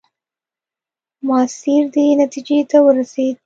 ماسیر دې نتیجې ته ورسېد.